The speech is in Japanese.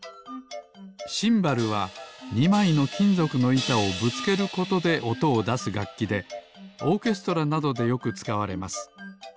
シンバルは２まいのきんぞくのいたをぶつけることでおとをだすがっきでオーケストラなどでよくつかわれます